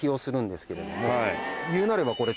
いうなればこれ。